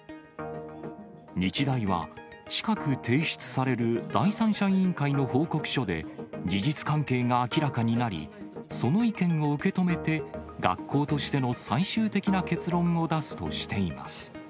日大は近く提出される第三者委員会の報告書で、事実関係が明らかになり、その意見を受け止めて、学校としての最終的な結論を出すとしています。